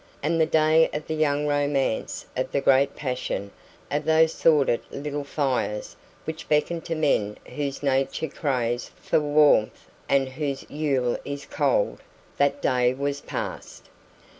And the day of the young romance of the great passion of those sordid "little fires" which beckon to men whose nature craves for warmth and whose "yule is cold" that day was past.